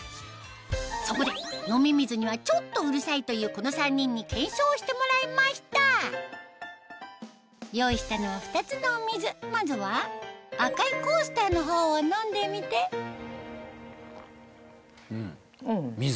そこで飲み水にはちょっとうるさいというこの３人に検証してもらいました用意したのは２つのお水まずは赤いコースターの方を飲んでみてうん水。